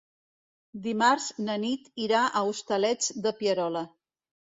Dimarts na Nit irà als Hostalets de Pierola.